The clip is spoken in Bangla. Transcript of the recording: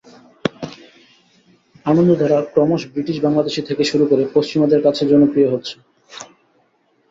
আনন্দধারা ক্রমশ ব্রিটিশ বাংলাদেশি থেকে শুরু করে পশ্চিমাদের কাছে জনপ্রিয় হচ্ছে।